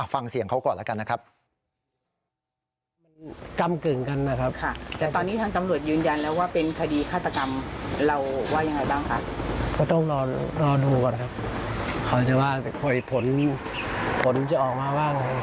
ฟังเสียงเขาก่อนแล้วกันนะครับ